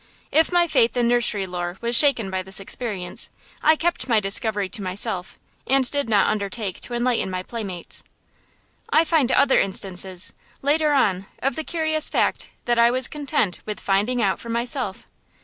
If my faith in nursery lore was shaken by this experience, I kept my discovery to myself, and did not undertake to enlighten my playmates. I find other instances, later on, of the curious fact that I was content with finding out for myself.